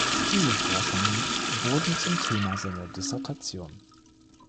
Diese Forschungen wurden zum Thema seiner Dissertation.